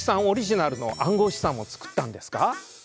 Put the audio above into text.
オリジナルの暗号資産を作ったんですか？